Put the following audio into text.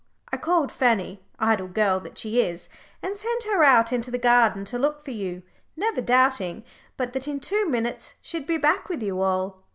I called Fanny, idle girl that she is, and sent her out into the garden to look for you, never doubting but that in two minutes she'd be back with you all."